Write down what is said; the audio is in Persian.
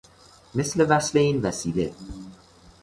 مثل وصل این وسیله